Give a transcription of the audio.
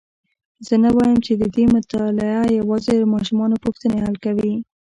زه نه وایم چې ددې مطالعه یوازي د ماشومانو پوښتني حل کوي.